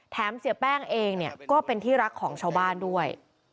เสียแป้งเองเนี่ยก็เป็นที่รักของชาวบ้านด้วย